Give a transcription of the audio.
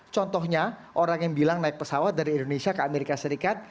contohnya orang yang bilang naik pesawat dari indonesia ke amerika serikat